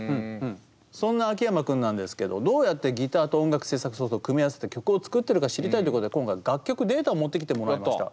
そんな秋山君なんですけどどうやってギターと音楽制作ソフトを組み合わせて曲を作ってるか知りたいということで今回楽曲データを持ってきてもらいました。